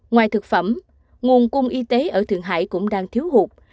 ngoài thực phẩm nguồn cung y tế ở thượng hải cũng đang thiếu hụt